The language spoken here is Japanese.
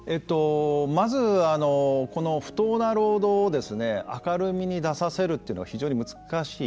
まずこの不当な労働を明るみに出させるというのが非常に難しい。